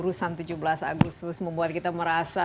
di as yang tujuh belas agustus membuat kita merasa